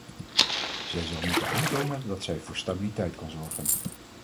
Zij zal moeten aantonen dat zij voor stabiliteit kan zorgen.